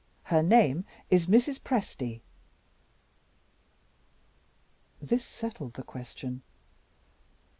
Her name is Mrs. Presty." This settled the question.